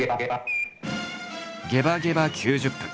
「ゲバゲバ９０分！」。